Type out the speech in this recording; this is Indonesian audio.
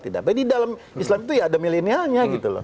tapi di dalam islam itu ya ada milenialnya gitu loh